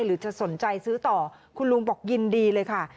หรือจะสนใจซื้อต่อคุณลุงบอกยินดีเลยค่ะ